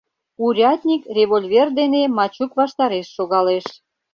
Урядник револьвер дене Мачук ваштареш шогалеш.